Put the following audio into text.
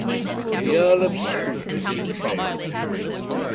THE EARL OF SCROOPE IS IN TROUBLE.